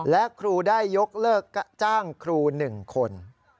และครูได้ยกเลิกจ้างครู๑คน